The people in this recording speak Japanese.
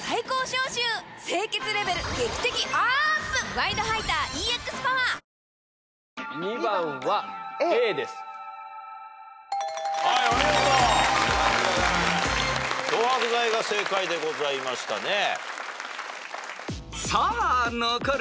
漂白剤が正解でございましたね。